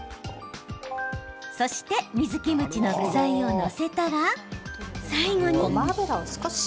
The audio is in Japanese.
そして水キムチの具材を載せたら最後に。